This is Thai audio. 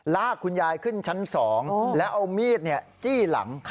ลากคุณยายขึ้นชั้น๒แล้วเอามีดจี้หลัง